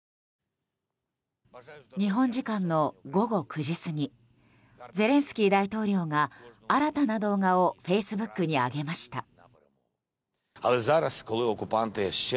日本時間の午後９時過ぎゼレンスキー大統領が新たな動画をフェイスブックに上げました。